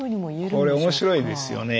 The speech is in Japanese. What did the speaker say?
これ面白いですよね。